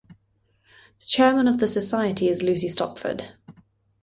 The chairman of the society is Lucy Stopford.